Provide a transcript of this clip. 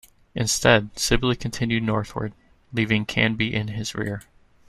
Instead, Sibley continued northward, leaving Canby in his rear.